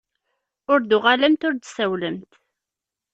Ur d-tuɣalemt ur d-tsawlemt.